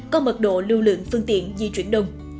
có mật độ lưu lượng phương tiện di chuyển đông